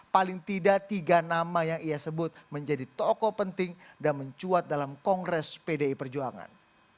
paling tidak tiga nama yang ia sebut menjadi tokoh penting dan mencuat dalam kongres pdi perjuangan